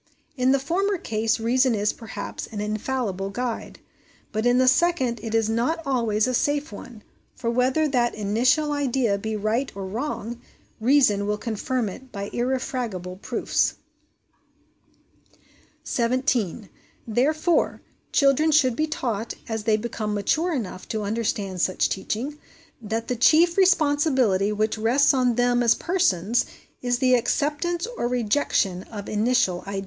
In the former case reason is, perhaps, an infallible guide, but in the second it is not always a safe one ; for whether that initial idea be right or wrong, reason will confirm it by irrefragable proofs. 17. Therefore children should be taught, as they become mature enough to understand such teaching, that the chief responsibility which rests on them as persons is the acceptance or rejection of initial ideas.